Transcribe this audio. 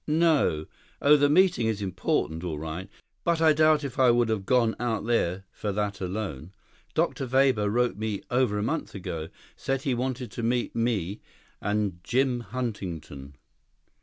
"No. Oh, the meeting is important, all right. But I doubt if I would have gone out there for that alone. Dr. Weber wrote me over a month ago. Said he wanted to meet with me and Jim Huntington.